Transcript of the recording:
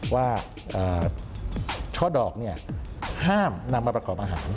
ว่าช่อดอกห้ามนำมาประกอบอาหาร